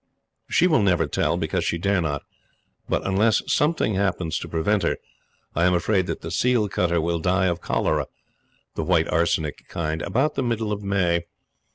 She will never tell, because she dare not; but, unless something happens to prevent her, I am afraid that the seal cutter will die of cholera the white arsenic kind about the middle of May.